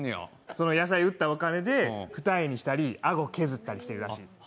その野菜を売ったお金で二重にしたり顎を削ったりしているらしいんや。